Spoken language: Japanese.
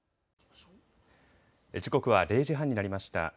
時刻は０時半になりました。